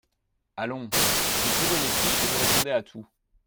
Allons ! vous prévoyez tout et vous répondez à tout.